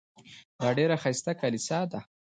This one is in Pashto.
دا ډېره ښایسته کلیسا ده.